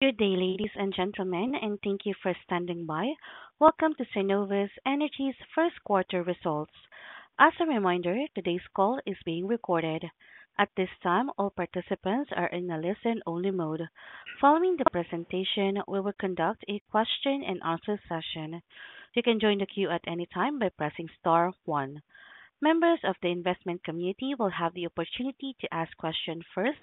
Good day, ladies and gentlemen, and thank you for standing by. Welcome to Cenovus Energy's first quarter results. As a reminder, today's call is being recorded. At this time, all participants are in a listen-only mode. Following the presentation, we will conduct a question-and-answer session. You can join the queue at any time by pressing star one. Members of the investment community will have the opportunity to ask questions first.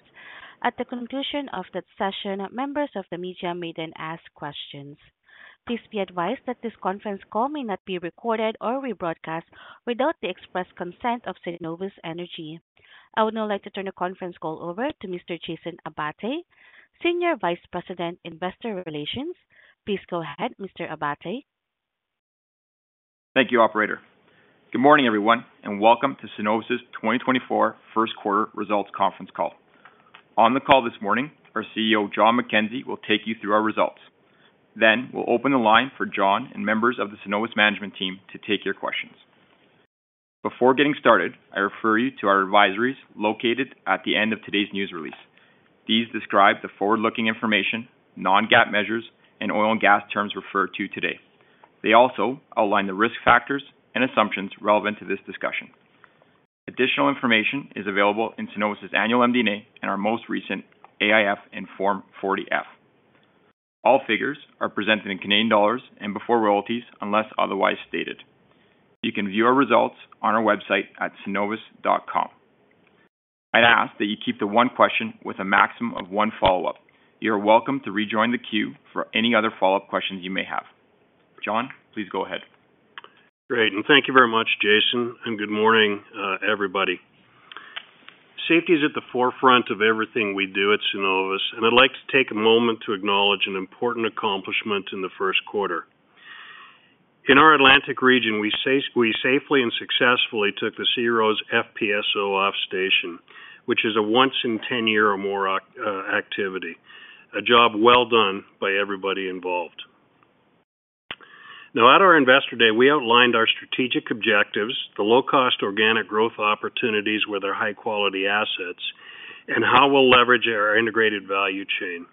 At the conclusion of that session, members of the media may then ask questions. Please be advised that this conference call may not be recorded or rebroadcast without the express consent of Cenovus Energy. I would now like to turn the conference call over to Mr. Jason Abbate, Senior Vice President, Investor Relations. Please go ahead, Mr. Abbate. Thank you, operator. Good morning, everyone, and welcome to Cenovus's 2024 first quarter results conference call. On the call this morning, our CEO, Jon McKenzie, will take you through our results. Then we'll open the line for Jon and members of the Cenovus management team to take your questions. Before getting started, I refer you to our advisories located at the end of today's news release. These describe the forward-looking information, non-GAAP measures, and oil and gas terms referred to today. They also outline the risk factors and assumptions relevant to this discussion. Additional information is available in Cenovus's annual MD&A and our most recent AIF and Form 40-F. All figures are presented in Canadian dollars and before royalties, unless otherwise stated. You can view our results on our website at cenovus.com. I'd ask that you keep the one question with a maximum of one follow-up. You are welcome to rejoin the queue for any other follow-up questions you may have. Jon, please go ahead. Great, and thank you very much, Jason, and good morning, everybody. Safety is at the forefront of everything we do at Cenovus, and I'd like to take a moment to acknowledge an important accomplishment in the first quarter. In our Atlantic Region, we safely and successfully took the SeaRose FPSO off station, which is a once in ten year or more activity. A job well done by everybody involved. Now, at our Investor Day, we outlined our strategic objectives, the low-cost organic growth opportunities with our high-quality assets, and how we'll leverage our integrated value chain.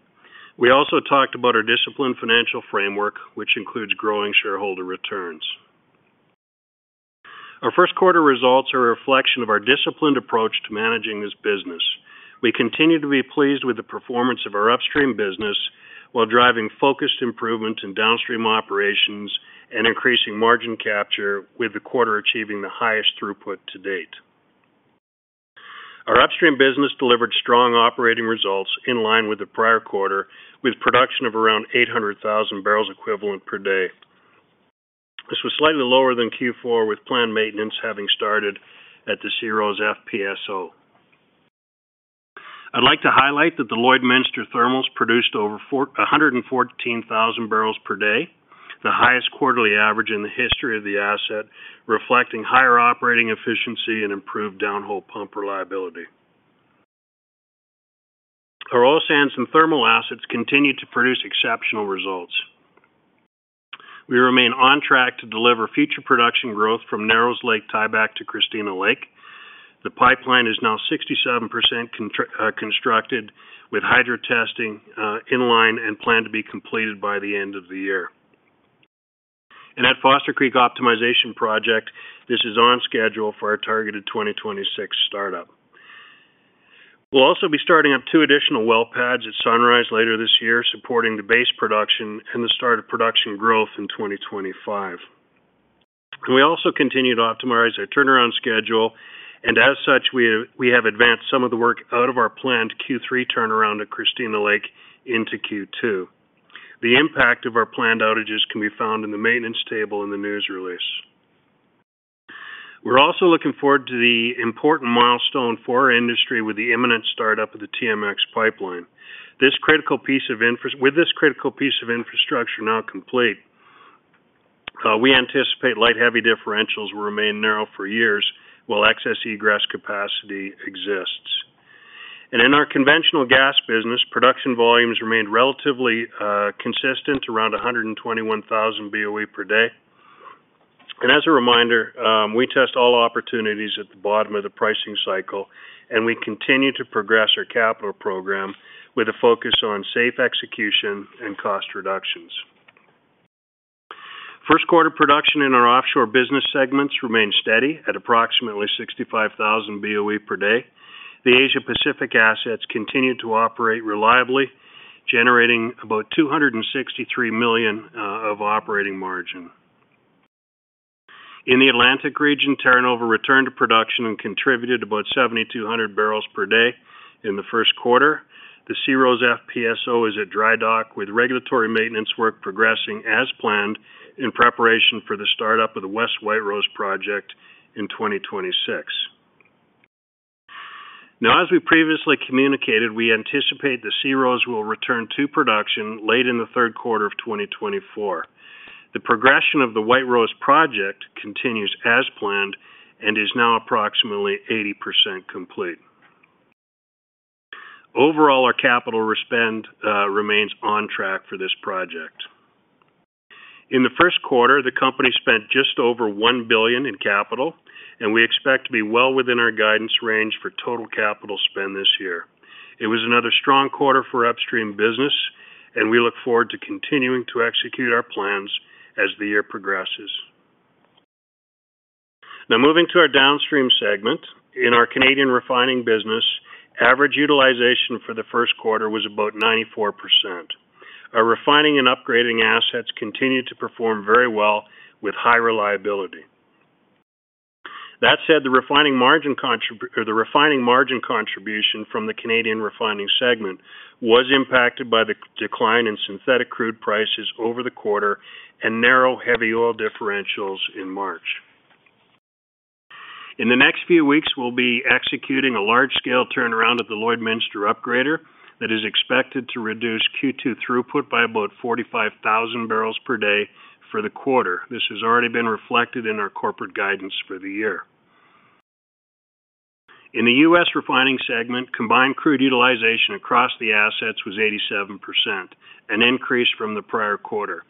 We also talked about our disciplined financial framework, which includes growing shareholder returns. Our first quarter results are a reflection of our disciplined approach to managing this business. We continue to be pleased with the performance of our upstream business, while driving focused improvement in downstream operations and increasing margin capture, with the quarter achieving the highest throughput to date. Our upstream business delivered strong operating results in line with the prior quarter, with production of around 800,000 barrels equivalent per day. This was slightly lower than Q4, with planned maintenance having started at the SeaRose FPSO. I'd like to highlight that the Lloydminster Thermals produced over 414,000 barrels per day, the highest quarterly average in the history of the asset, reflecting higher operating efficiency and improved downhole pump reliability. Our oil sands and thermal assets continued to produce exceptional results. We remain on track to deliver future production growth from Narrows Lake tieback to Christina Lake. The pipeline is now 67% constructed, with hydro testing in line and planned to be completed by the end of the year. At Foster Creek Optimization Project, this is on schedule for our targeted 2026 startup. We'll also be starting up two additional well pads at Sunrise later this year, supporting the base production and the start of production growth in 2025. We also continue to optimize our turnaround schedule, and as such, we have advanced some of the work out of our planned Q3 turnaround at Christina Lake into Q2. The impact of our planned outages can be found in the maintenance table in the news release. We're also looking forward to the important milestone for our industry with the imminent startup of the TMX pipeline. With this critical piece of infrastructure now complete, we anticipate light-heavy differentials will remain narrow for years while excess egress capacity exists. In our conventional gas business, production volumes remained relatively consistent, around 121,000 BOE per day. As a reminder, we test all opportunities at the bottom of the pricing cycle, and we continue to progress our capital program with a focus on safe execution and cost reductions. First quarter production in our offshore business segments remained steady at approximately 65,000 BOE per day. The Asia Pacific assets continued to operate reliably, generating about 263 million of operating margin. In the Atlantic region, Terra Nova returned to production and contributed about 7,200 barrels per day in the first quarter. The SeaRose FPSO is at dry dock, with regulatory maintenance work progressing as planned in preparation for the startup of the West White Rose project in 2026. Now, as we previously communicated, we anticipate the SeaRose will return to production late in the third quarter of 2024. The progression of the White Rose project continues as planned and is now approximately 80% complete. Overall, our capital spend remains on track for this project. In the first quarter, the company spent just over 1 billion in capital, and we expect to be well within our guidance range for total capital spend this year. It was another strong quarter for upstream business, and we look forward to continuing to execute our plans as the year progresses. Now, moving to our downstream segment. In our Canadian refining business, average utilization for the first quarter was about 94%. Our refining and upgrading assets continued to perform very well with high reliability. That said, the refining margin or the refining margin contribution from the Canadian refining segment was impacted by the decline in synthetic crude prices over the quarter and narrow, heavy oil differentials in March. In the next few weeks, we'll be executing a large-scale turnaround at the Lloydminster Upgrader that is expected to reduce Q2 throughput by about 45,000 barrels per day for the quarter. This has already been reflected in our corporate guidance for the year. In the U.S. refining segment, combined crude utilization across the assets was 87%, an increase from the prior quarter.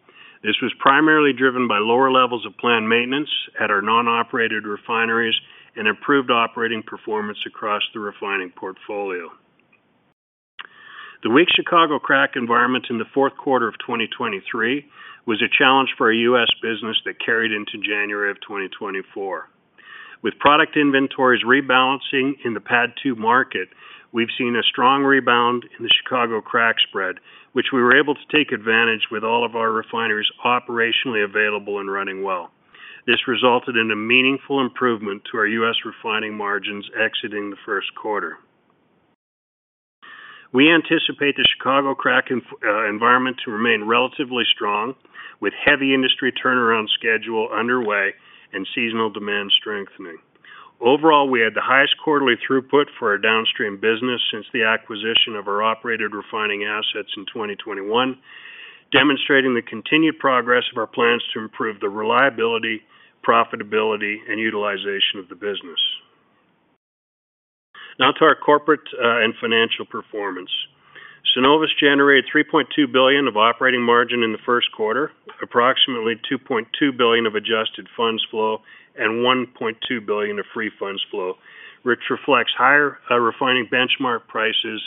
This was primarily driven by lower levels of planned maintenance at our non-operated refineries and improved operating performance across the refining portfolio. The weak Chicago crack environment in the fourth quarter of 2023 was a challenge for our U.S. business that carried into January of 2024. With product inventories rebalancing in the PADD 2 market, we've seen a strong rebound in the Chicago crack spread, which we were able to take advantage with all of our refineries operationally available and running well. This resulted in a meaningful improvement to our U.S. refining margins exiting the first quarter. We anticipate the Chicago crack environment to remain relatively strong, with heavy industry turnaround schedule underway and seasonal demand strengthening. Overall, we had the highest quarterly throughput for our downstream business since the acquisition of our operated refining assets in 2021, demonstrating the continued progress of our plans to improve the reliability, profitability and utilization of the business. Now to our corporate and financial performance. Cenovus generated 3.2 billion of operating margin in the first quarter, approximately 2.2 billion of adjusted funds flow and 1.2 billion of free funds flow, which reflects higher refining benchmark prices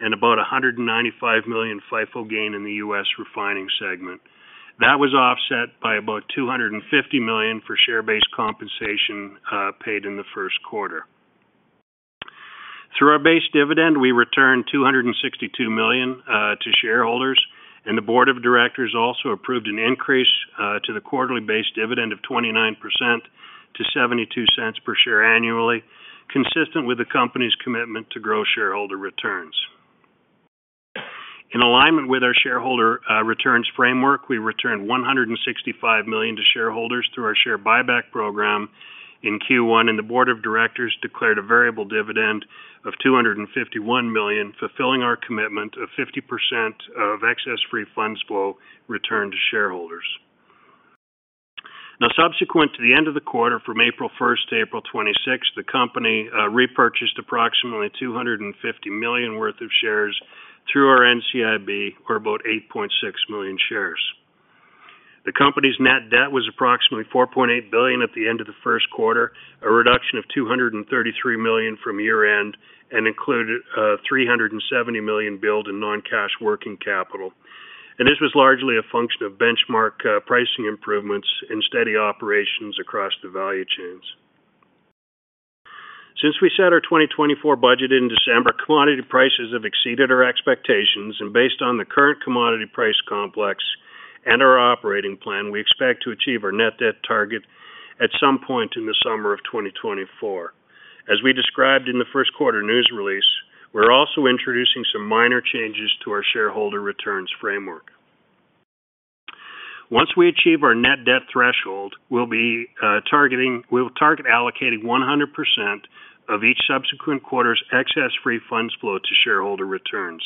and about 195 million FIFO gain in the U.S. refining segment. That was offset by about 250 million for share-based compensation paid in the first quarter. Through our base dividend, we returned 262 million to shareholders, and the board of directors also approved an increase to the quarterly base dividend of 29% to 0.72 per share annually, consistent with the company's commitment to grow shareholder returns. In alignment with our shareholder returns framework, we returned 165 million to shareholders through our share buyback program in Q1, and the board of directors declared a variable dividend of 251 million, fulfilling our commitment of 50% of excess free funds flow returned to shareholders. Now, subsequent to the end of the quarter, from April first to April twenty-sixth, the company repurchased approximately 250 million worth of shares through our NCIB, or about 8.6 million shares. The company's net debt was approximately 4.8 billion at the end of the first quarter, a reduction of 233 million from year-end, and included 370 million build in non-cash working capital. This was largely a function of benchmark pricing improvements and steady operations across the value chains. Since we set our 2024 budget in December, commodity prices have exceeded our expectations, and based on the current commodity price complex and our operating plan, we expect to achieve our net debt target at some point in the summer of 2024. As we described in the first quarter news release, we're also introducing some minor changes to our shareholder returns framework. Once we achieve our net debt threshold, we'll target allocating 100% of each subsequent quarter's excess free funds flow to shareholder returns.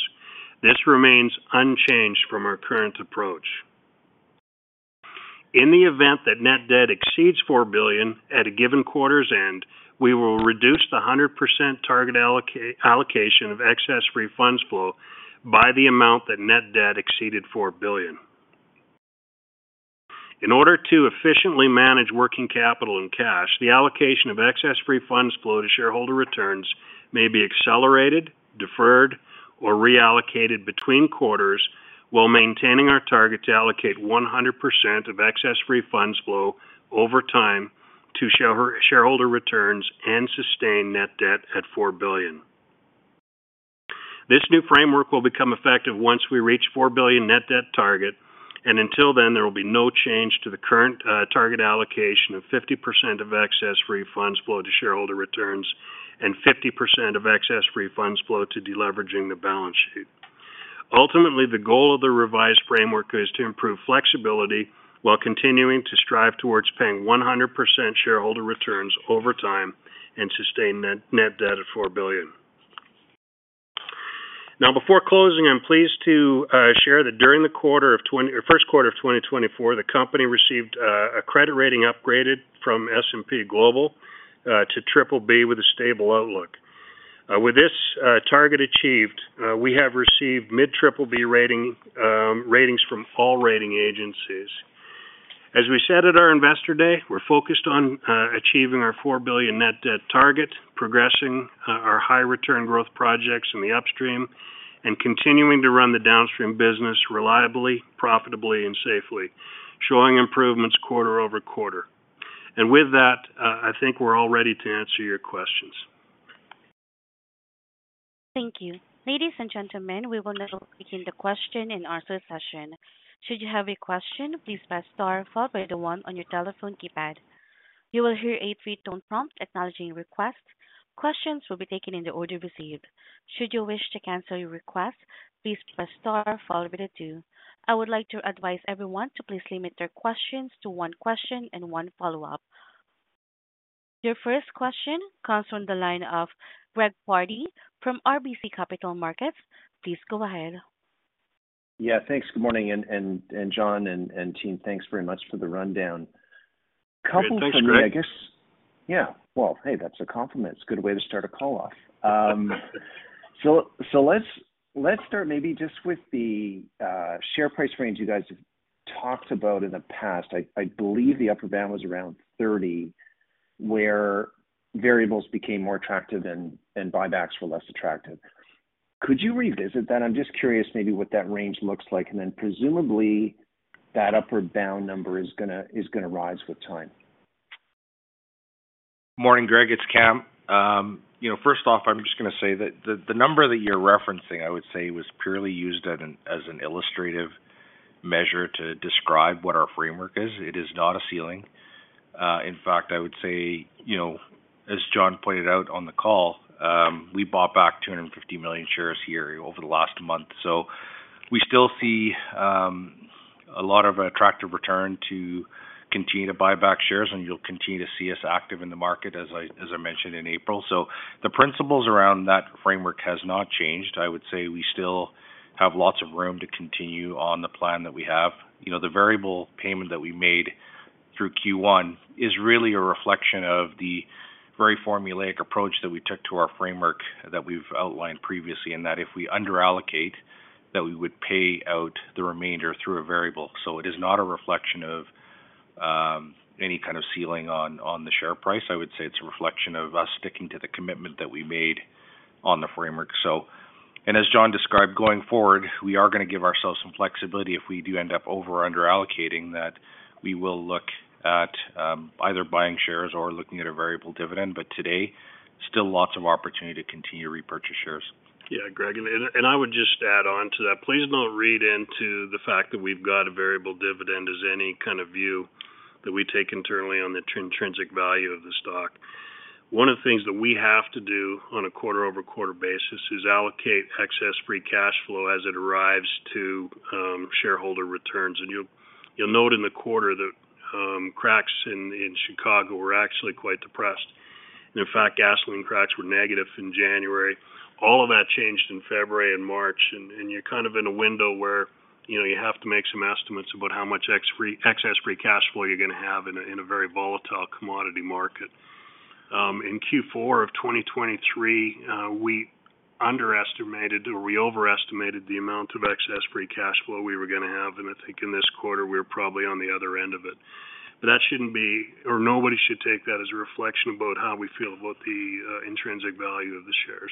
This remains unchanged from our current approach. In the event that net debt exceeds 4 billion at a given quarter's end, we will reduce the 100% target allocation of excess free funds flow by the amount that net debt exceeded 4 billion. In order to efficiently manage working capital and cash, the allocation of excess free funds flow to shareholder returns may be accelerated, deferred, or reallocated between quarters while maintaining our target to allocate 100% of excess free funds flow over time to shareholder returns and sustain net debt at 4 billion. This new framework will become effective once we reach 4 billion net debt target, and until then, there will be no change to the current target allocation of 50% of excess free funds flow to shareholder returns and 50% of excess free funds flow to deleveraging the balance sheet. Ultimately, the goal of the revised framework is to improve flexibility while continuing to strive towards paying 100% shareholder returns over time and sustain net debt at 4 billion. Now, before closing, I'm pleased to share that during the first quarter of 2024, the company received a credit rating upgrade from S&P Global to BBB with a stable outlook. With this target achieved, we have received mid-BBB ratings from all rating agencies. As we said at our investor day, we're focused on achieving our 4 billion net debt target, progressing our high return growth projects in the upstream, and continuing to run the downstream business reliably, profitably, and safely, showing improvements quarter-over-quarter. And with that, I think we're all ready to answer your questions. Thank you. Ladies and gentlemen, we will now begin the question and answer session. Should you have a question, please press star followed by the one on your telephone keypad. You will hear a three-tone prompt acknowledging your request. Questions will be taken in the order received. Should you wish to cancel your request, please press star followed by the two. I would like to advise everyone to please limit their questions to one question and one follow-up. Your first question comes from the line of Greg Pardy from RBC Capital Markets. Please go ahead. Yeah, thanks. Good morning, John and team, thanks very much for the rundown. Great. Thanks, Greg. I guess. Yeah, well, hey, that's a compliment. It's a good way to start a call off. So, let's start maybe just with the share price range you guys have talked about in the past. I believe the upper bound was around 30, where variables became more attractive and buybacks were less attractive. Could you revisit that? I'm just curious maybe what that range looks like, and then presumably, that upward bound number is gonna rise with time. Morning, Greg, it's Kam. You know, first off, I'm just gonna say that the number that you're referencing, I would say was purely used as an illustrative measure to describe what our framework is. It is not a ceiling. In fact, I would say, you know, as Jon pointed out on the call, we bought back 250 million shares a year over the last month. So we still see a lot of attractive return to continue to buy back shares, and you'll continue to see us active in the market as I mentioned in April. So the principles around that framework has not changed. I would say we still have lots of room to continue on the plan that we have. You know, the variable payment that we made through Q1 is really a reflection of the very formulaic approach that we took to our framework that we've outlined previously, and that if we under allocate, that we would pay out the remainder through a variable. So it is not a reflection of any kind of ceiling on the share price. I would say it's a reflection of us sticking to the commitment that we made on the framework. And as Jon described, going forward, we are gonna give ourselves some flexibility if we do end up over, under allocating, that we will look at either buying shares or looking at a variable dividend, but today, still lots of opportunity to continue to repurchase shares. Yeah, Greg, and I would just add on to that, please don't read into the fact that we've got a variable dividend as any kind of view that we take internally on the intrinsic value of the stock. One of the things that we have to do on a quarter-over-quarter basis is allocate excess free cash flow as it arrives to shareholder returns. And you'll note in the quarter that cracks in Chicago were actually quite depressed. And in fact, gasoline cracks were negative in January. All of that changed in February and March, and you're kind of in a window where, you know, you have to make some estimates about how much excess free cash flow you're gonna have in a very volatile commodity market. In Q4 of 2023, we underestimated or we overestimated the amount of excess free cash flow we were gonna have, and I think in this quarter, we're probably on the other end of it. But that shouldn't be, or nobody should take that as a reflection about how we feel about the intrinsic value of the shares.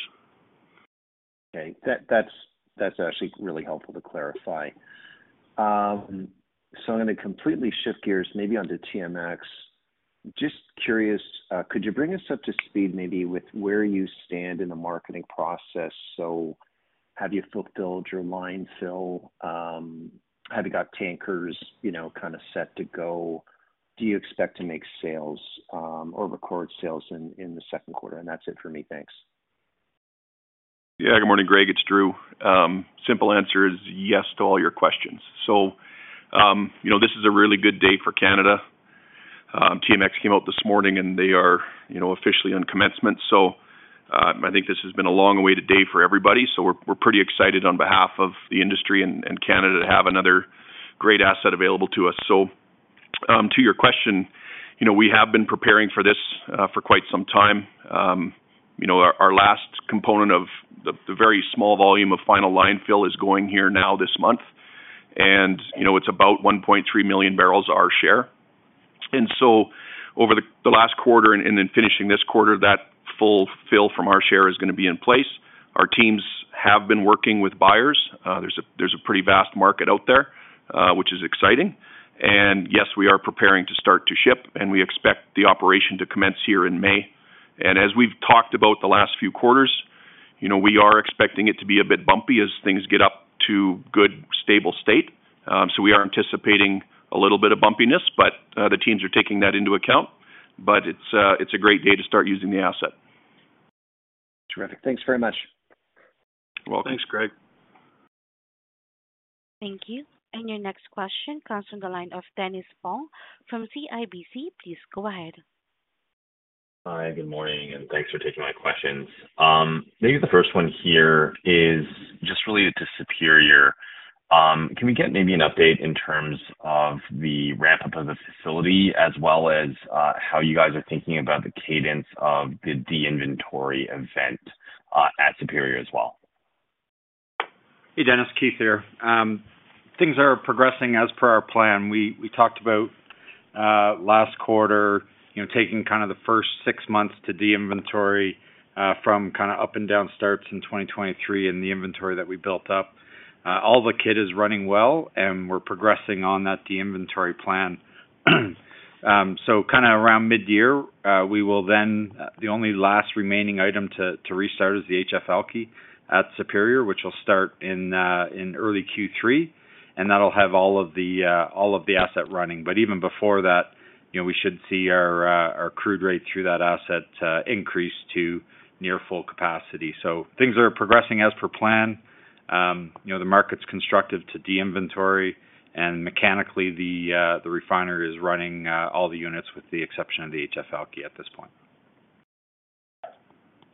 Okay. That's actually really helpful to clarify. So I'm gonna completely shift gears, maybe onto TMX. Just curious, could you bring us up to speed, maybe with where you stand in the marketing process? So have you fulfilled your line fill? Have you got tankers, you know, kind of set to go? Do you expect to make sales, or record sales in the second quarter? And that's it for me. Thanks. Yeah. Good morning, Greg. It's Drew. Simple answer is yes to all your questions. So, you know, this is a really good day for Canada. TMX came out this morning, and they are, you know, officially on commencement. So, I think this has been a long-awaited day for everybody, so we're pretty excited on behalf of the industry and Canada to have another great asset available to us. So, to your question, you know, we have been preparing for this for quite some time. You know, our last component of the very small volume of final line fill is going here now this month, and, you know, it's about 1.3 million barrels our share. And so over the last quarter and then finishing this quarter, that full fill from our share is gonna be in place. Our teams have been working with buyers. There's a pretty vast market out there, which is exciting. And yes, we are preparing to start to ship, and we expect the operation to commence here in May. And as we've talked about the last few quarters, you know, we are expecting it to be a bit bumpy as things get up to good, stable state. So we are anticipating a little bit of bumpiness, but the teams are taking that into account. But it's a great day to start using the asset. Terrific. Thanks very much. Well, thanks, Greg. Thank you. And your next question comes from the line of Dennis Fong from CIBC. Please go ahead. Hi, good morning, and thanks for taking my questions. Maybe the first one here is just related to Superior.... Can we get maybe an update in terms of the ramp-up of the facility, as well as, how you guys are thinking about the cadence of the de-inventory event, at Superior as well? Hey, Dennis, Keith here. Things are progressing as per our plan. We talked about last quarter, you know, taking kind of the first six months to de-inventory from kind of up-and-down starts in 2023 and the inventory that we built up. All the kit is running well, and we're progressing on that de-inventory plan. So kind of around midyear, we will then. The only last remaining item to restart is the HF Alky at Superior, which will start in early Q3, and that'll have all of the asset running. But even before that, you know, we should see our crude rate through that asset increase to near full capacity. So things are progressing as per plan. You know, the market's constructive to de-inventory, and mechanically, the refinery is running all the units with the exception of the HF Alky at this point.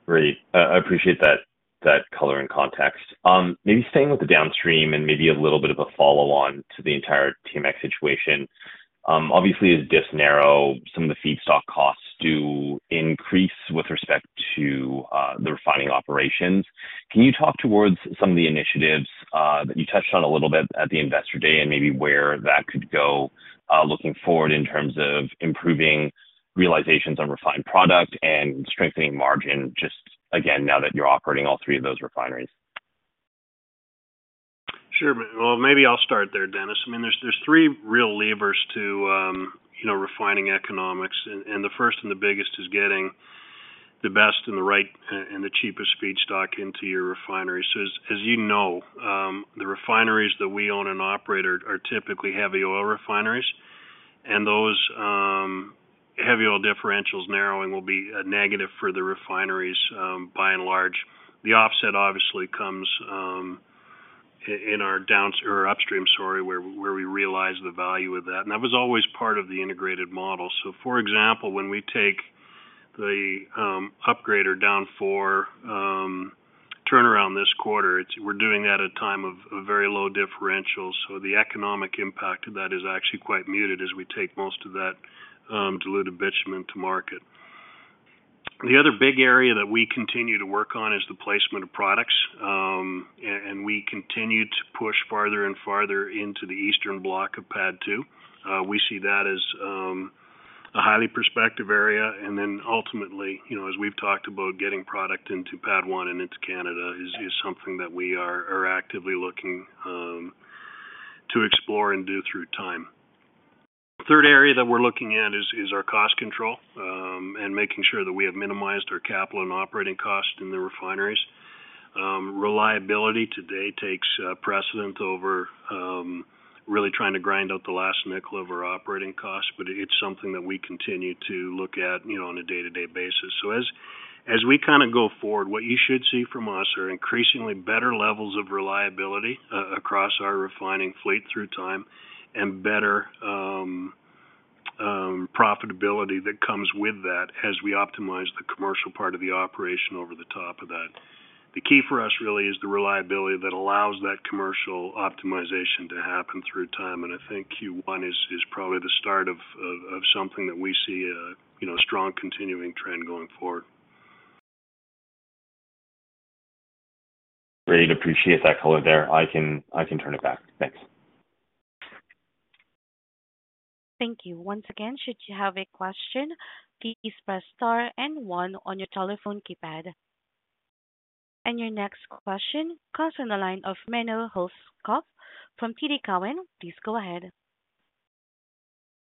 Great. I appreciate that, that color and context. Maybe staying with the downstream and maybe a little bit of a follow-on to the entire TMX situation. Obviously, as diffs narrow, some of the feedstock costs do increase with respect to, the refining operations. Can you talk towards some of the initiatives, that you touched on a little bit at the Investor Day, and maybe where that could go, looking forward in terms of improving realizations on refined product and strengthening margin, just again, now that you're operating all three of those refineries? Sure. Well, maybe I'll start there, Dennis. I mean, there's three real levers to you know, refining economics, and the first and the biggest is getting the best and the right and the cheapest feedstock into your refinery. So as you know, the refineries that we own and operate are typically heavy oil refineries. And those heavy oil differentials narrowing will be a negative for the refineries by and large. The offset obviously comes in our upstream, sorry, where we realize the value of that, and that was always part of the integrated model. So for example, when we take the upgrader down for turnaround this quarter, it's. We're doing that at a time of very low differentials. So the economic impact of that is actually quite muted as we take most of that, diluted bitumen to market. The other big area that we continue to work on is the placement of products. And we continue to push farther and farther into the eastern block of PADD 2. We see that as a highly prospective area. And then ultimately, you know, as we've talked about, getting product into PADD 1 and into Canada is something that we are actively looking to explore and do through time. Third area that we're looking at is our cost control, and making sure that we have minimized our capital and operating costs in the refineries. Reliability today takes precedent over really trying to grind out the last nickel of our operating costs, but it's something that we continue to look at, you know, on a day-to-day basis. So as we kind of go forward, what you should see from us are increasingly better levels of reliability across our refining fleet through time, and better profitability that comes with that as we optimize the commercial part of the operation over the top of that. The key for us really is the reliability that allows that commercial optimization to happen through time, and I think Q1 is probably the start of something that we see a, you know, strong continuing trend going forward. Great. Appreciate that color there. I can, I can turn it back. Thanks. Thank you. Once again, should you have a question, please press star and one on your telephone keypad. Your next question comes on the line of Menno Hulshof from TD Cowen. Please go ahead.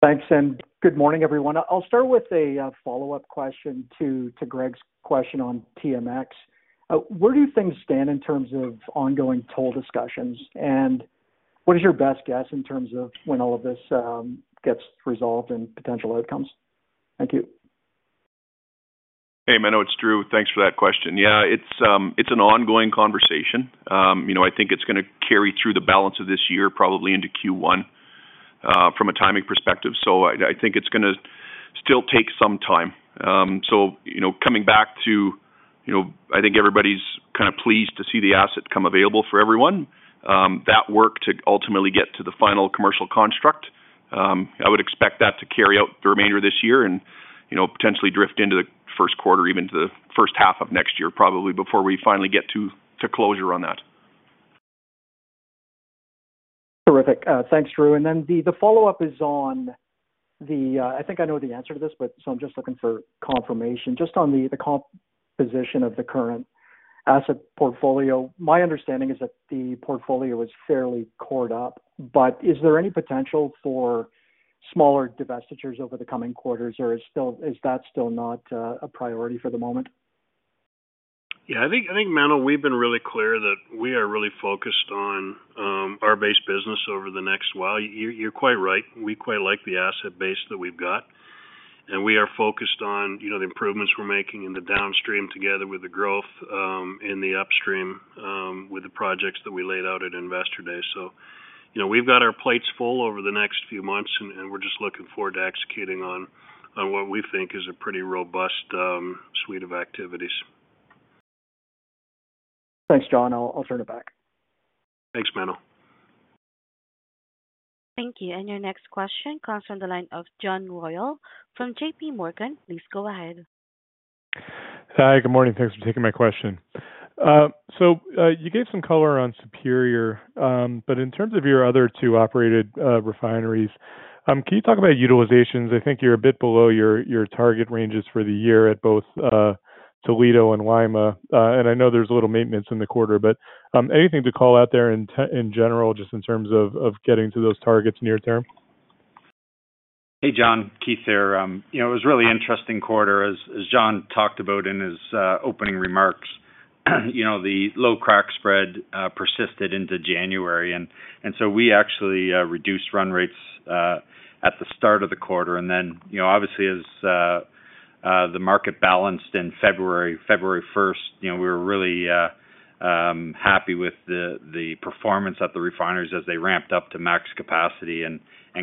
Thanks, and good morning, everyone. I'll start with a follow-up question to Greg's question on TMX. Where do things stand in terms of ongoing toll discussions, and what is your best guess in terms of when all of this gets resolved and potential outcomes? Thank you. Hey, Menno, it's Drew. Thanks for that question. Yeah, it's an ongoing conversation. You know, I think it's gonna carry through the balance of this year, probably into Q1, from a timing perspective. So I think it's gonna still take some time. So, you know, coming back to, you know, I think everybody's kind of pleased to see the asset come available for everyone. That work to ultimately get to the final commercial construct, I would expect that to carry out the remainder of this year and, you know, potentially drift into the first quarter, even to the first half of next year, probably before we finally get to closure on that. Terrific. Thanks, Drew. Then the follow-up is on the... I think I know the answer to this, but so I'm just looking for confirmation. Just on the composition of the current asset portfolio, my understanding is that the portfolio is fairly cored up, but is there any potential for smaller divestitures over the coming quarters, or is that still not a priority for the moment? Yeah, I think, Menno, we've been really clear that we are really focused on our base business over the next while. You're quite right. We quite like the asset base that we've got, and we are focused on, you know, the improvements we're making in the downstream together with the growth in the upstream with the projects that we laid out at Investor Day. So, you know, we've got our plates full over the next few months, and we're just looking forward to executing on what we think is a pretty robust suite of activities.... Thanks, Jon. I'll turn it back. Thanks, Menno. Thank you. Your next question comes from the line of John Royall from JPMorgan. Please go ahead. Hi, good morning. Thanks for taking my question. So, you gave some color on Superior, but in terms of your other two operated refineries, can you talk about utilizations? I think you're a bit below your target ranges for the year at both Toledo and Lima. And I know there's a little maintenance in the quarter, but anything to call out there in general, just in terms of getting to those targets near term? Hey, John, Keith here. You know, it was a really interesting quarter as Jon talked about in his opening remarks. You know, the low crack spread persisted into January, and so we actually reduced run rates at the start of the quarter. Then, you know, obviously as the market balanced in February, February first, you know, we were really happy with the performance at the refineries as they ramped up to max capacity and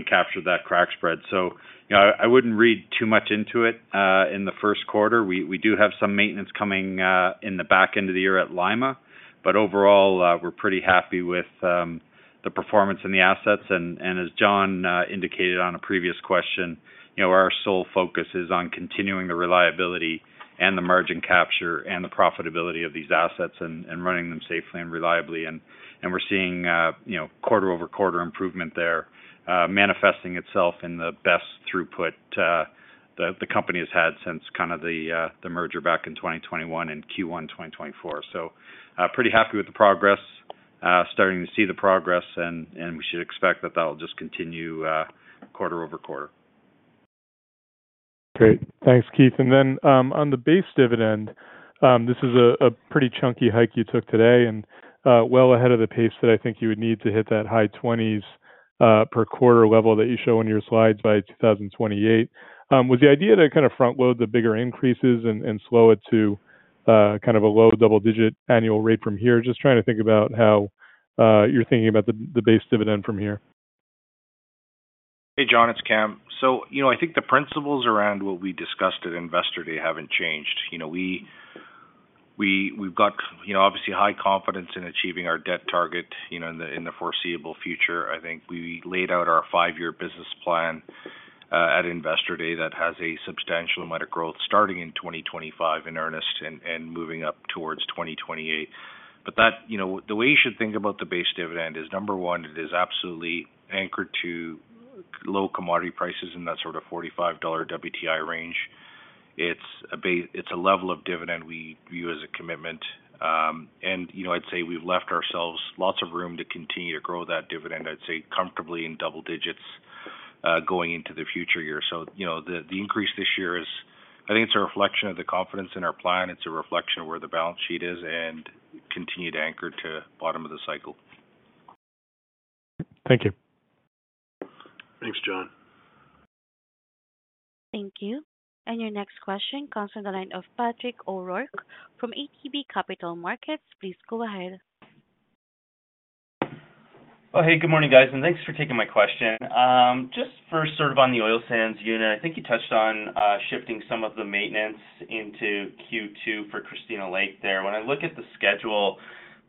captured that crack spread. So, you know, I wouldn't read too much into it in the first quarter. We do have some maintenance coming in the back end of the year at Lima, but overall, we're pretty happy with the performance and the assets. As Jon indicated on a previous question, you know, our sole focus is on continuing the reliability and the margin capture and the profitability of these assets and running them safely and reliably. And we're seeing, you know, quarter-over-quarter improvement there, manifesting itself in the best throughput the company has had since kind of the merger back in 2021 and Q1 2024. So, pretty happy with the progress. Starting to see the progress, and we should expect that that'll just continue quarter-over-quarter. Great. Thanks, Keith. And then, on the base dividend, this is a pretty chunky hike you took today, and, well ahead of the pace that I think you would need to hit that high 20s per quarter level that you show on your slides by 2028. Was the idea to kind of front load the bigger increases and slow it to kind of a low double-digit annual rate from here? Just trying to think about how you're thinking about the base dividend from here. Hey, John, it's Kam. So, you know, I think the principles around what we discussed at Investor Day haven't changed. You know, we've got, you know, obviously high confidence in achieving our debt target, you know, in the foreseeable future. I think we laid out our five-year business plan at Investor Day that has a substantial amount of growth starting in 2025 in earnest and moving up towards 2028. But that. You know, the way you should think about the base dividend is, number one, it is absolutely anchored to low commodity prices in that sort of $45 WTI range. It's a level of dividend we view as a commitment. And, you know, I'd say we've left ourselves lots of room to continue to grow that dividend, I'd say, comfortably in double digits, going into the future year. So, you know, the increase this year is... I think it's a reflection of the confidence in our plan. It's a reflection of where the balance sheet is and continued anchored to bottom of the cycle. Thank you. Thanks, John. Thank you. Your next question comes from the line of Patrick O'Rourke from ATB Capital Markets. Please go ahead. Oh, hey, good morning, guys, and thanks for taking my question. Just first, sort of on the oil sands unit, I think you touched on shifting some of the maintenance into Q2 for Christina Lake there. When I look at the schedule,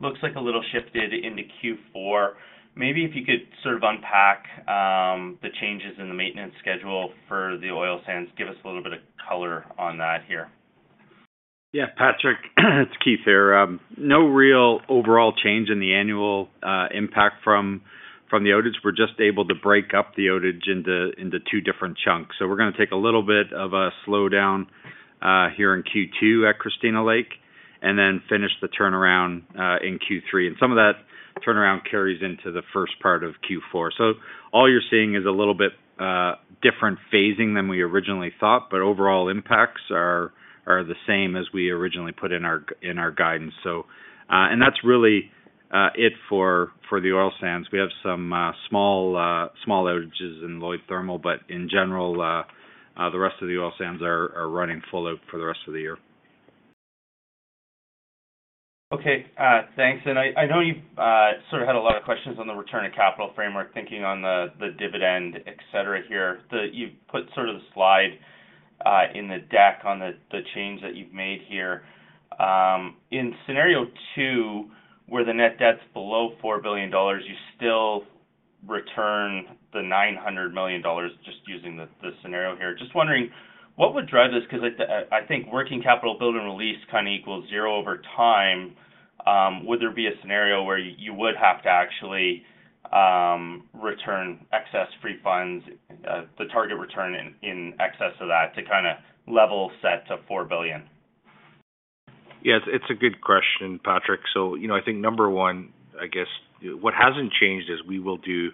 looks like a little shifted into Q4. Maybe if you could sort of unpack the changes in the maintenance schedule for the oil sands. Give us a little bit of color on that here. Yeah, Patrick, it's Keith here. No real overall change in the annual impact from the outage. We're just able to break up the outage into two different chunks. So we're gonna take a little bit of a slowdown here in Q2 at Christina Lake, and then finish the turnaround in Q3. And some of that turnaround carries into the first part of Q4. So all you're seeing is a little bit different phasing than we originally thought, but overall impacts are the same as we originally put in our guidance. So, and that's really it for the oil sands. We have some small outages in Lloydminster Thermals, but in general, the rest of the oil sands are running full out for the rest of the year. Okay, thanks. I know you've sort of had a lot of questions on the return of capital framework, thinking on the dividend, et cetera, here. You've put sort of the slide in the deck on the change that you've made here. In scenario 2, where the net debt's below 4 billion dollars, you still return the 900 million dollars just using the scenario here. Just wondering, what would drive this? 'Cause I think working capital build and release kind of equals zero over time. Would there be a scenario where you would have to actually return excess free funds the target return in excess of that, to kind of level set to 4 billion? Yes, it's a good question, Patrick. So, you know, I think number one, I guess what hasn't changed is we will do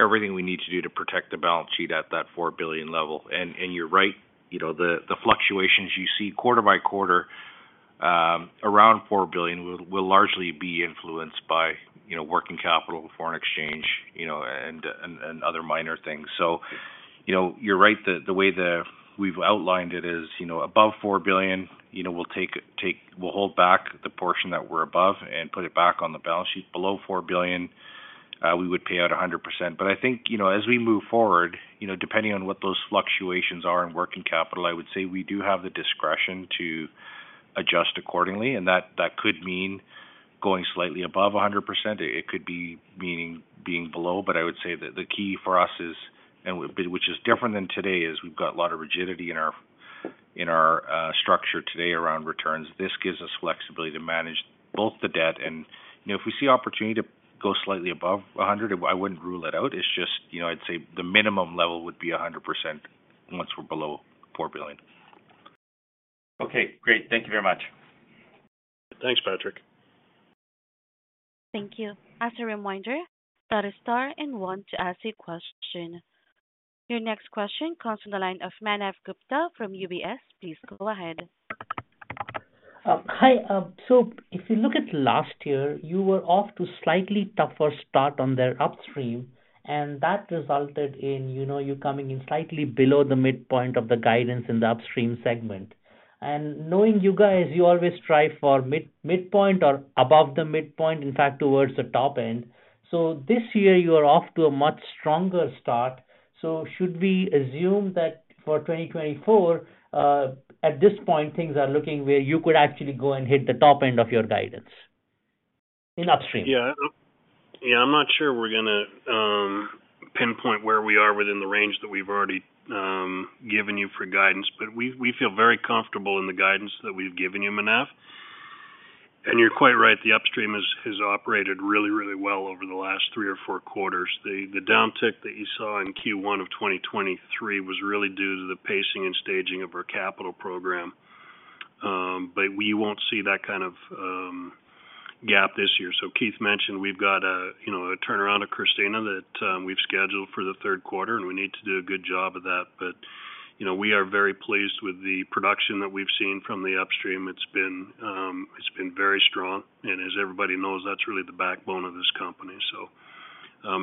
everything we need to do to protect the balance sheet at that 4 billion level. You're right, you know, the fluctuations you see quarter by quarter around 4 billion will largely be influenced by, you know, working capital, foreign exchange, you know, and other minor things. You're right that the way that we've outlined it is, you know, above 4 billion, you know, we'll hold back the portion that we're above and put it back on the balance sheet. Below 4 billion- We would pay out 100%. But I think, you know, as we move forward, you know, depending on what those fluctuations are in working capital, I would say we do have the discretion to adjust accordingly, and that, that could mean going slightly above 100%. It could be meaning being below, but I would say that the key for us is, and which is different than today, is we've got a lot of rigidity in our, in our, structure today around returns. This gives us flexibility to manage both the debt and, you know, if we see opportunity to go slightly above a hundred, I wouldn't rule it out. It's just, you know, I'd say the minimum level would be 100% once we're below 4 billion. Okay, great. Thank you very much. Thanks, Patrick. Thank you. As a reminder, press star and one to ask a question. Your next question comes from the line of Manav Gupta from UBS. Please go ahead. Hi. So if you look at last year, you were off to slightly tougher start on their upstream, and that resulted in, you know, you coming in slightly below the midpoint of the guidance in the upstream segment. And knowing you guys, you always strive for mid-midpoint or above the midpoint, in fact, towards the top end. So this year you are off to a much stronger start. So should we assume that for 2024, at this point, things are looking where you could actually go and hit the top end of your guidance in upstream? Yeah. Yeah, I'm not sure we're gonna pinpoint where we are within the range that we've already given you for guidance, but we, we feel very comfortable in the guidance that we've given you, Manav. And you're quite right, the upstream has, has operated really, really well over the last three or four quarters. The, the downtick that you saw in Q1 of 2023 was really due to the pacing and staging of our capital program. But we won't see that kind of gap this year. So Keith mentioned we've got a, you know, a turnaround of Christina that we've scheduled for the third quarter, and we need to do a good job of that. But, you know, we are very pleased with the production that we've seen from the upstream. It's been very strong, and as everybody knows, that's really the backbone of this company. So,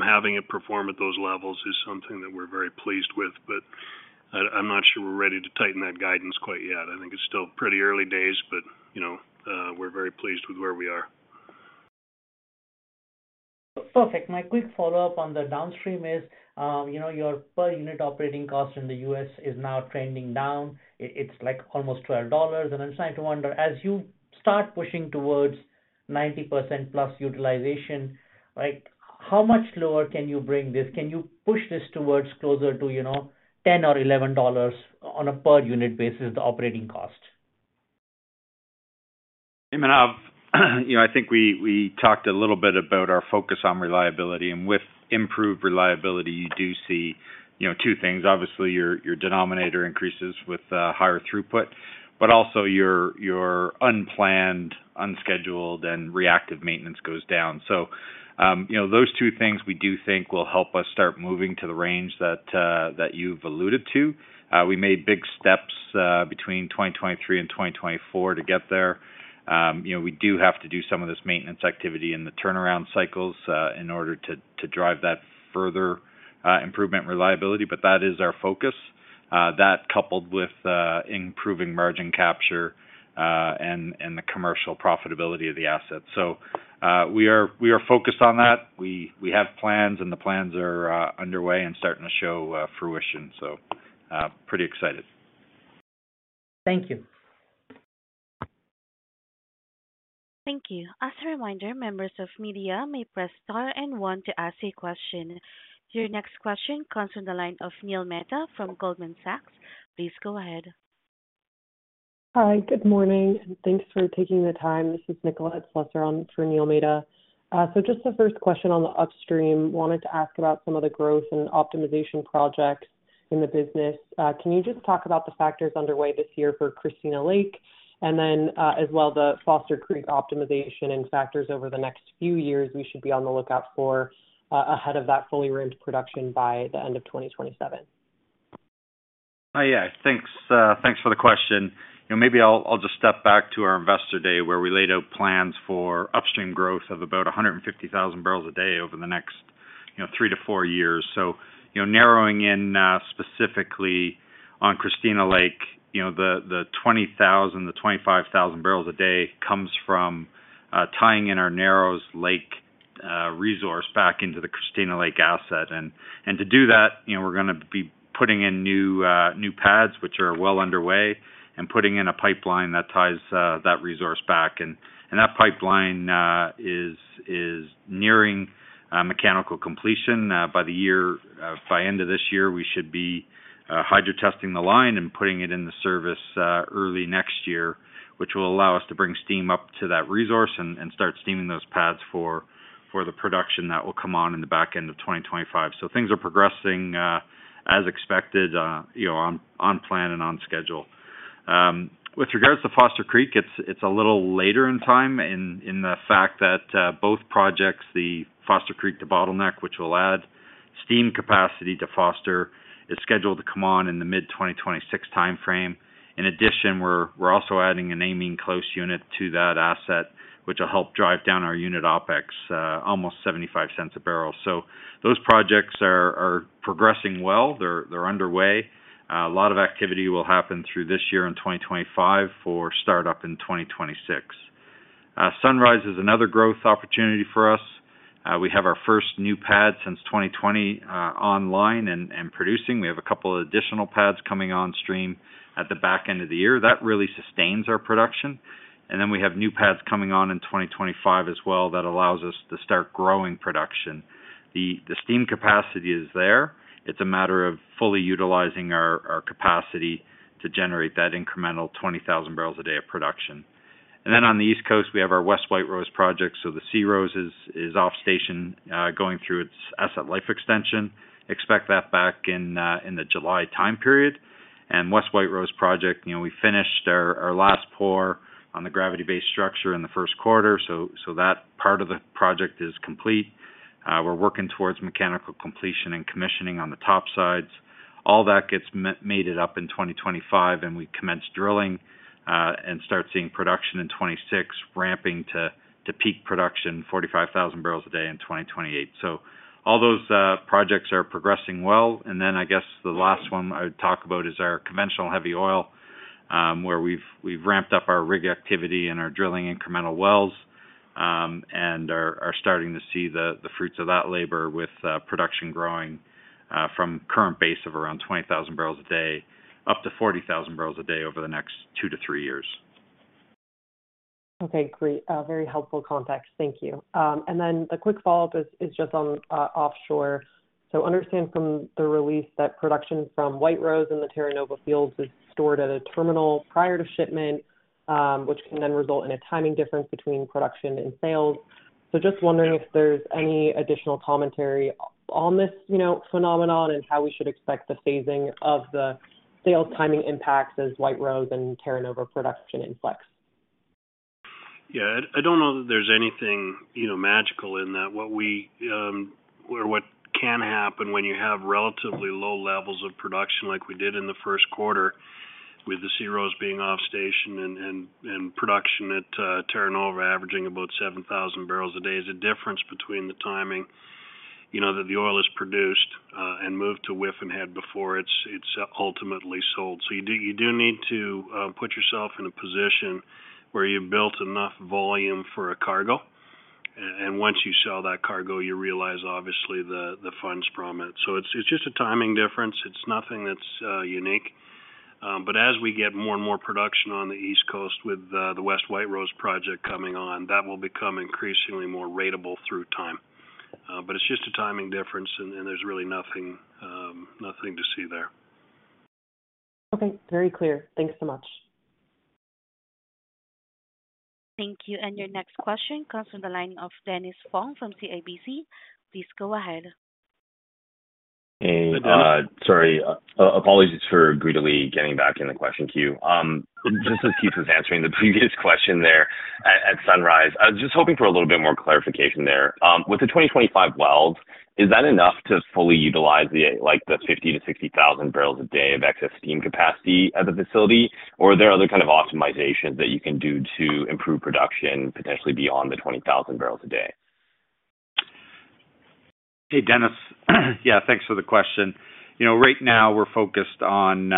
having it perform at those levels is something that we're very pleased with, but I'm not sure we're ready to tighten that guidance quite yet. I think it's still pretty early days, but you know, we're very pleased with where we are. Perfect. My quick follow-up on the downstream is, you know, your per unit operating cost in the US is now trending down. It, it's like almost $12. And I'm trying to wonder, as you start pushing towards 90%+ utilization, right, how much lower can you bring this? Can you push this towards closer to, you know, $10 or $11 on a per unit basis, the operating cost? Hey, Manav, you know, I think we talked a little bit about our focus on reliability, and with improved reliability, you do see, you know, two things. Obviously, your denominator increases with higher throughput, but also your unplanned, unscheduled and reactive maintenance goes down. So, you know, those two things we do think will help us start moving to the range that you've alluded to. We made big steps between 2023 and 2024 to get there. You know, we do have to do some of this maintenance activity in the turnaround cycles in order to drive that further improvement reliability, but that is our focus. That coupled with improving margin capture and the commercial profitability of the asset. So, we are focused on that. We have plans, and the plans are underway and starting to show fruition, so pretty excited. Thank you. Thank you. As a reminder, members of media may press star and one to ask a question. Your next question comes from the line of Neil Mehta from Goldman Sachs. Please go ahead. Hi, good morning, and thanks for taking the time. This is Nicolette Slusser on for Neil Mehta. So just the first question on the upstream. Wanted to ask about some of the growth and optimization projects in the business. Can you just talk about the factors underway this year for Christina Lake and then, as well, the Foster Creek optimization and factors over the next few years we should be on the lookout for, ahead of that fully rigged production by the end of 2027? Oh, yeah. Thanks, thanks for the question. You know, maybe I'll, I'll just step back to our Investor Day, where we laid out plans for upstream growth of about 150,000 barrels a day over the next, you know, three-four years. So, you know, narrowing in, specifically on Christina Lake, you know, the, the 20,000, the 25,000 barrels a day comes from, tying in our Narrows Lake, resource back into the Christina Lake asset. And, and to do that, you know, we're gonna be putting in new, new pads, which are well underway, and putting in a pipeline that ties, that resource back. And, and that pipeline, is, is nearing, mechanical completion. By end of this year, we should be hydro-testing the line and putting it into service early next year, which will allow us to bring steam up to that resource and start steaming those pads for the production that will come on in the back end of 2025. So things are progressing as expected, you know, on plan and on schedule. With regards to Foster Creek, it's a little later in time in the fact that both projects, the Foster Creek debottleneck, which will add steam capacity to Foster, is scheduled to come on in the mid-2026 timeframe. In addition, we're also adding an amine Claus unit to that asset, which will help drive down our unit OpEx almost 0.75 a barrel. So those projects are progressing well. They're underway. A lot of activity will happen through this year in 2025 for startup in 2026. Sunrise is another growth opportunity for us. We have our first new pad since 2020 online and producing. We have a couple of additional pads coming on stream at the back end of the year. That really sustains our production. And then we have new pads coming on in 2025 as well. That allows us to start growing production. The steam capacity is there. It's a matter of fully utilizing our capacity to generate that incremental 20,000 barrels a day of production. And then on the East Coast, we have our West White Rose project. So the SeaRose is off station, going through its asset life extension. Expect that back in the July time period. And West White Rose project, you know, we finished our last pour on the gravity-based structure in the first quarter, so that part of the project is complete. We're working towards mechanical completion and commissioning on the top sides. All that gets mated up in 2025, and we commence drilling and start seeing production in 2026, ramping to peak production 45,000 barrels a day in 2028. So all those projects are progressing well. Then I guess the last one I would talk about is our conventional heavy oil, where we've ramped up our rig activity and are drilling incremental wells, and are starting to see the fruits of that labor with production growing from current base of around 20,000 barrels a day, up to 40,000 barrels a day over the next two-three years. Okay, great. Very helpful context. Thank you. And then the quick follow-up is just on offshore. So understand from the release that production from White Rose in the Terra Nova fields is stored at a terminal prior to shipment, which can then result in a timing difference between production and sales. So just wondering if there's any additional commentary on this, you know, phenomenon and how we should expect the phasing of the sales timing impacts as White Rose and Terra Nova production influx? Yeah, I don't know that there's anything, you know, magical in that. What we, or what can happen when you have relatively low levels of production like we did in the first quarter with the SeaRose being off station and production at Terra Nova, averaging about 7,000 barrels a day, is the difference between the timing, you know, that the oil is produced and moved to Whiffen Head before it's ultimately sold. So you do need to put yourself in a position where you've built enough volume for a cargo, and once you sell that cargo, you realize obviously the funds from it. So it's just a timing difference. It's nothing that's unique. But as we get more and more production on the East Coast with the West White Rose project coming on, that will become increasingly more ratable through time. But it's just a timing difference, and there's really nothing to see there. Okay, very clear. Thanks so much. Thank you. Your next question comes from the line of Dennis Fong from CIBC. Please go ahead. Hey, sorry, apologies for greedily getting back in the question queue. Just as Keith was answering the previous question there, at Sunrise, I was just hoping for a little bit more clarification there. With the 2025 wells, is that enough to fully utilize the, like, the 50,000-60,000 barrels a day of excess steam capacity at the facility? Or are there other kind of optimizations that you can do to improve production, potentially beyond the 20,000 barrels a day? Hey, Dennis, yeah, thanks for the question. You know, right now we're focused on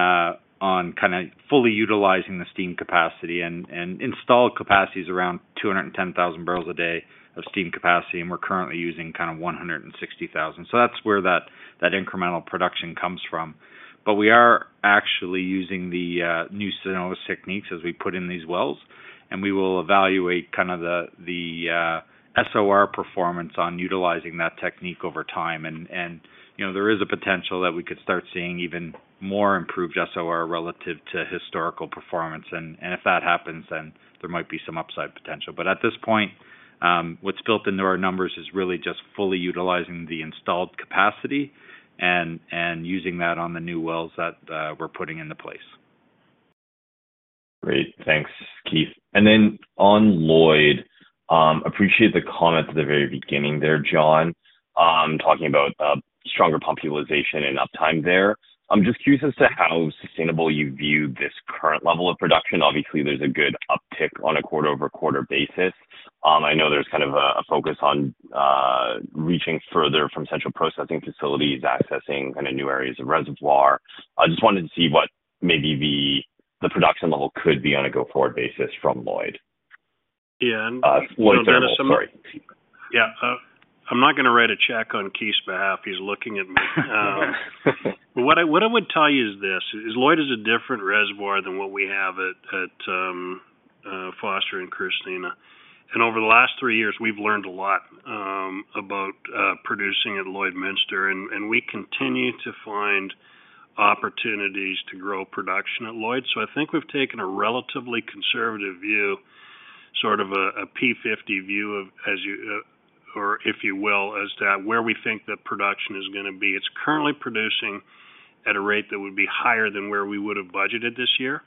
kind of fully utilizing the steam capacity and installed capacity is around 210,000 barrels a day of steam capacity, and we're currently using kind of 160,000. So that's where that incremental production comes from. But we are actually using the new techniques as we put in these wells, and we will evaluate kind of the SOR performance on utilizing that technique over time. And you know, there is a potential that we could start seeing even more improved SOR relative to historical performance. And if that happens, then there might be some upside potential. At this point, what's built into our numbers is really just fully utilizing the installed capacity and using that on the new wells that we're putting into place. Great. Thanks, Keith. And then on Lloyd, appreciate the comment at the very beginning there, Jon, talking about stronger pump utilization and uptime there. I'm just curious as to how sustainable you view this current level of production. Obviously, there's a good uptick on a quarter-over-quarter basis. I know there's kind of a focus on reaching further from central processing facilities, accessing kind of new areas of reservoir. I just wanted to see what maybe the production level could be on a go-forward basis from Lloyd. Yeah, and- Lloyd Thermal, sorry. Yeah. I'm not gonna write a check on Keith's behalf. He's looking at me. What I would tell you is this, is Lloyd is a different reservoir than what we have at Foster and Christina. And over the last three years, we've learned a lot about producing at Lloydminster, and we continue to find opportunities to grow production at Lloyd. So I think we've taken a relatively conservative view, sort of a P50 view of as you or if you will, as to where we think the production is gonna be. It's currently producing at a rate that would be higher than where we would have budgeted this year,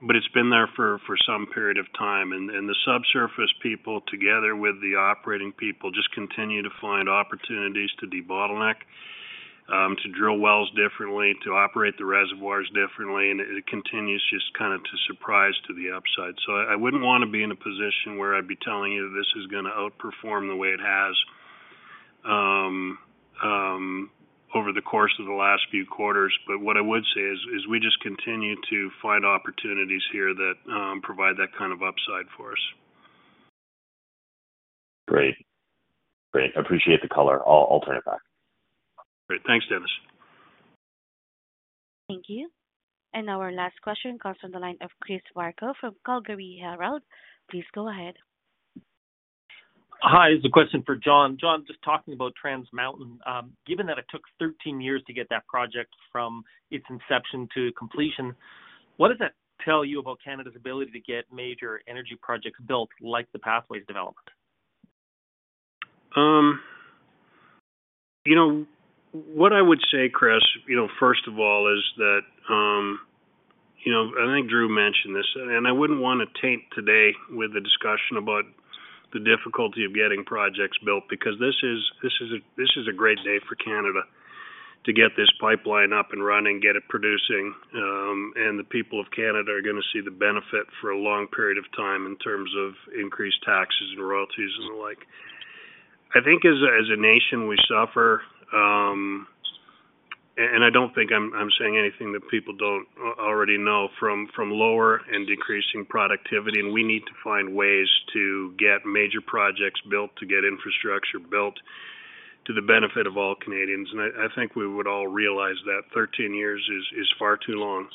but it's been there for some period of time. And the subsurface people, together with the operating people, just continue to find opportunities to debottleneck, to drill wells differently, to operate the reservoirs differently, and it continues just kind of to surprise to the upside. So I wouldn't want to be in a position where I'd be telling you this is gonna outperform the way it has over the course of the last few quarters. But what I would say is we just continue to find opportunities here that provide that kind of upside for us. Great. Great. Appreciate the color. I'll, I'll turn it back. Great. Thanks, Dennis. Thank you. And our last question comes from the line of Chris Varcoe from Calgary Herald. Please go ahead. Hi, this is a question for Jon. Jon, just talking about Trans Mountain. Given that it took 13 years to get that project from its inception to completion, what does that tell you about Canada's ability to get major energy projects built, like the Pathways development? You know, what I would say, Chris, you know, first of all, is that, you know, I think Drew mentioned this, and I wouldn't want to taint today with a discussion about the difficulty of getting projects built, because this is a great day for Canada to get this pipeline up and running, get it producing, and the people of Canada are gonna see the benefit for a long period of time in terms of increased taxes and royalties and the like. I think as a nation, we suffer, and I don't think I'm saying anything that people don't already know from lower and decreasing productivity, and we need to find ways to get major projects built, to get infrastructure built to the benefit of all Canadians. I think we would all realize that 13 years is far too long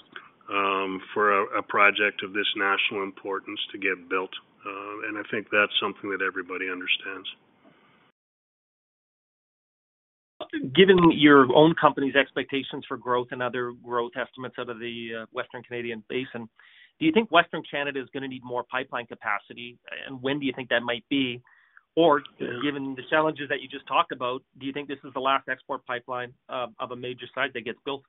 for a project of this national importance to get built. I think that's something that everybody understands. Given your own company's expectations for growth and other growth estimates out of the Western Canadian Basin, do you think Western Canada is gonna need more pipeline capacity? And when do you think that might be? Or given the challenges that you just talked about, do you think this is the last export pipeline of a major site that gets built?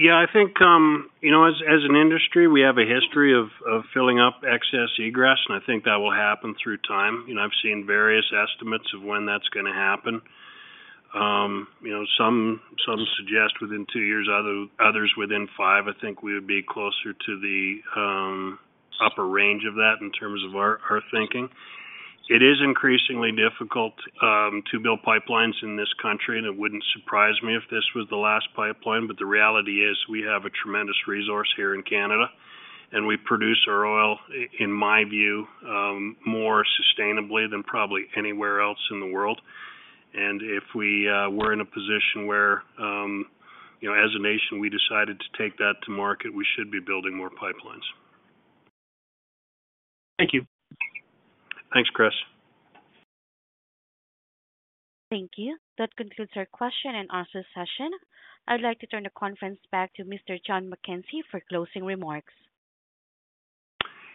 Yeah, I think, you know, as an industry, we have a history of filling up excess egress, and I think that will happen through time. You know, I've seen various estimates of when that's gonna happen. You know, some suggest within two years, others within five. I think we would be closer to the upper range of that in terms of our thinking. It is increasingly difficult to build pipelines in this country, and it wouldn't surprise me if this was the last pipeline. But the reality is, we have a tremendous resource here in Canada, and we produce our oil, in my view, more sustainably than probably anywhere else in the world. If we were in a position where, you know, as a nation, we decided to take that to market, we should be building more pipelines. Thank you. Thanks, Chris. Thank you. That concludes our question and answer session. I'd like to turn the conference back to Mr. Jon McKenzie for closing remarks.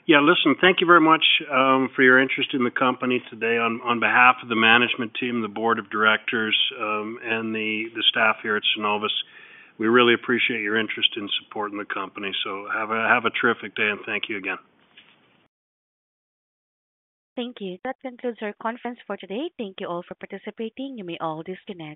Yeah, listen, thank you very much for your interest in the company today. On behalf of the management team, the board of directors, and the staff here at Cenovus, we really appreciate your interest in supporting the company. So have a terrific day, and thank you again. Thank you. That concludes our conference for today. Thank you all for participating. You may all disconnect.